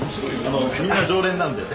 みんな常連なんで。